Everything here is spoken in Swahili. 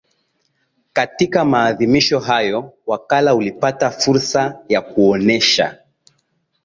Katika maadhimisho hayo Wakala ulipata fursa ya kuonesha